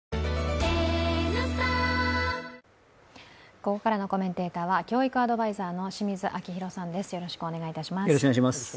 ここからのコメンテーターは教育アドバイザーの清水章弘さんです。